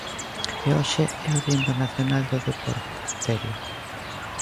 E hoxe é o Día Internacional do Deporte, Terio.